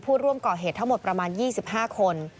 ผู้ร่วมก่อเหตุทั้งหมดประมาณ๒๕คน